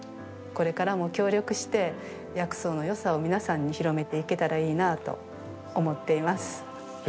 これからも協力して薬草のよさを皆さんに広めていけたらいいなと思っています。